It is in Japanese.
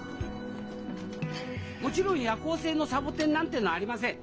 もちろん夜行性のサボテンなんてのはありません。